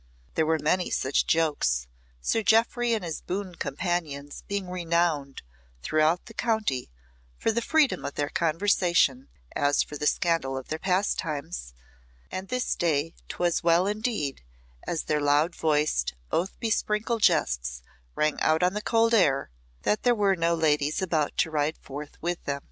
There were many such jokes, Sir Jeoffry and his boon companions being renowned throughout the county for the freedom of their conversation as for the scandal of their pastimes, and this day 'twas well indeed, as their loud voiced, oath besprinkled jests rang out on the cold air, that there were no ladies about to ride forth with them.